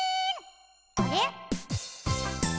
あれ？